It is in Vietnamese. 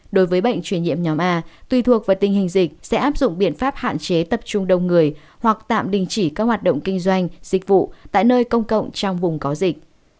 đối với bệnh chuyển nhiễm nhóm a tùy thuộc vào tình hình dịch sẽ áp dụng biện pháp hạn chế tập trung đông người hoặc tạm đình chỉ các hoạt động kinh doanh dịch vụ tại nơi công cộng trong vùng có dịch